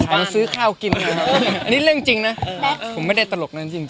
ขายมาซื้อข้าวกินนี่เรื่องจริงนะผมไม่ได้ตลกนะจริง